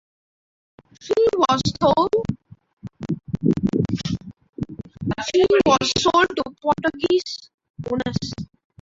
She was sold to Portuguese owners.